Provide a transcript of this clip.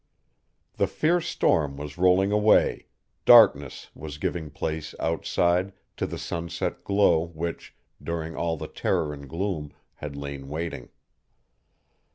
The fierce storm was rolling away; darkness was giving place, outside, to the sunset glow which, during all the terror and gloom, had lain waiting.